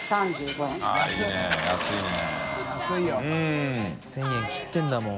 造い茵１０００円切ってるんだもん。